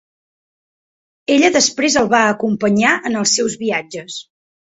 Ella després el va acompanyar en els seus viatges.